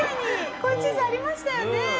こういう地図ありましたよね。